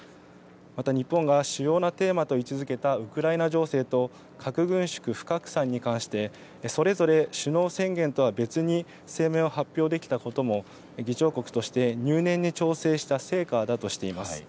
また日本が主要なテーマと位置づけたウクライナ情勢と、核軍縮・不拡散に関して、それぞれ首脳宣言とは別に声明を発表できたことも、議長国として入念に調整した成果だとしています。